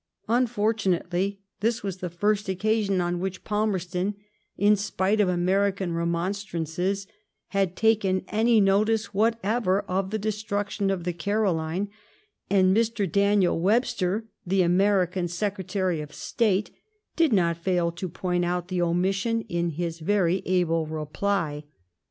Unfortunately^ this was the first occasion on which Palmerston, in spite of American remonstrances, had taken any notice what ever of the destruction of the Caroline ; and Mr. Daniel Webster, the American Secretary of State, did not fail to point out the omission in his very able reply.